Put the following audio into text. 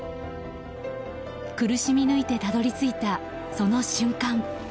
苦しみ抜いてたどり着いたその瞬間。